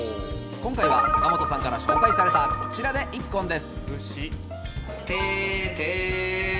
今回は坂本さんから紹介されたこちらで一献です。